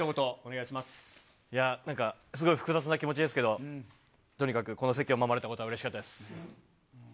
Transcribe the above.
いや、なんか、すごい複雑な気持ちですけど、とにかくこの席を守れたことはうれしかったです。